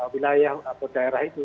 wilayah atau daerah itu